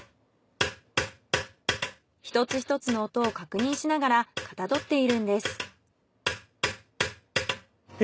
一つ一つの音を確認しながらかたどっているんです。